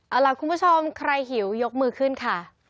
เอาล่ะคุณผู้ชมใครหิวยกมือขึ้นค่ะ